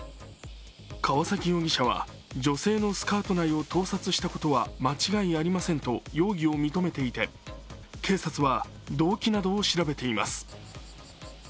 川崎容疑者は女性のスカート内を盗撮したことは間違いありませんと容疑を認めていて警察は動機などを調べています。